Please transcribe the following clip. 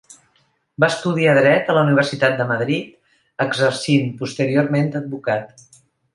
Va estudiar dret a la Universitat de Madrid, exercint posteriorment d'advocat.